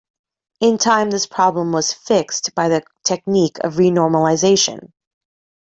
In time this problem was "fixed" by the technique of renormalization.